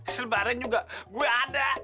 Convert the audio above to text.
selebaran juga gue ada